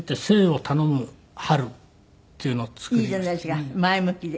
いいじゃないですか前向きで。